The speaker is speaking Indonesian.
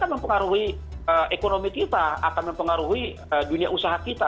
akan mempengaruhi ekonomi kita akan mempengaruhi dunia usaha kita